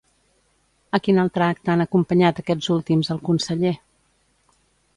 A quin altre acte han acompanyat aquests últims al conseller?